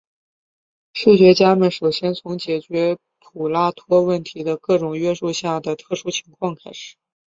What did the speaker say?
数学家们首先从解决普拉托问题的各种约束下的特殊情况开始。